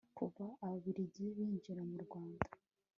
kuva ababiligi binjira mu rwanda